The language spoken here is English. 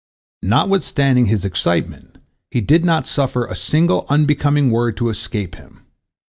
Notwithstanding his excitement, he did not suffer a single unbecoming word to escape him.